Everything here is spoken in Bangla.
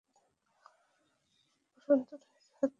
বসন্ত রায়ের হাতে তাঁহার চিরসহচর সেতারটি আর নাই।